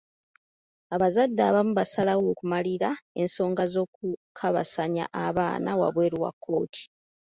Abazadde abamu basalawo okumalira ensonga z'okukabasanya abaana wabweru wa kkooti.